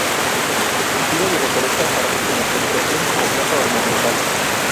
Se cultiva y recolecta para su comercialización como planta ornamental.